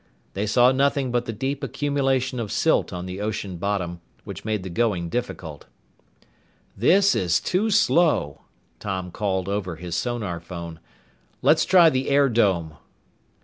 They saw nothing but the deep accumulation of silt on the ocean bottom, which made the going difficult. "This is too slow," Tom called over his sonarphone. "Let's try the air dome."